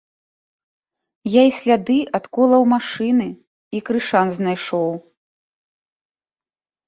Я і сляды ад колаў машыны, і крышан знайшоў!